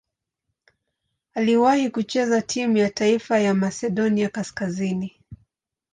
Aliwahi kucheza timu ya taifa ya Masedonia Kaskazini.